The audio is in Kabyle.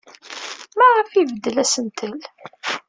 Maɣef ay ibeddel asentel?